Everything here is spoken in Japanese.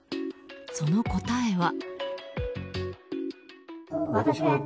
その答えは。